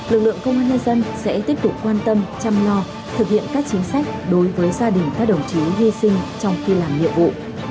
lực lượng công an nhân dân sẽ tiếp tục quan tâm chăm lo thực hiện các chính sách đối với gia đình các đồng chí hy sinh trong khi làm nhiệm vụ